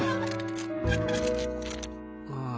ああ！